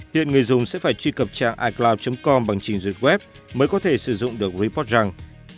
hiện người dùng sẽ phải truy cập trang icloud com bằng trình duyệt web mới có thể sử dụng được report rằng